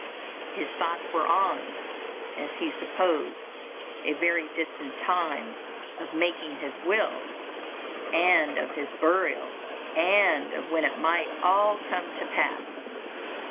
His thoughts were on, as he supposed, a very distant time of making his will, and of his burial, and of when it might all come to pass.